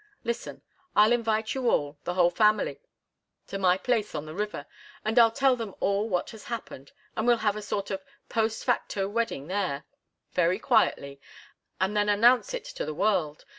Listen. I'll invite you all the whole family to my place on the river, and I'll tell them all what has happened and we'll have a sort of 'post facto' wedding there, very quietly, and then announce it to the world.